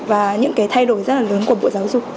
và những cái thay đổi rất là lớn của bộ giáo dục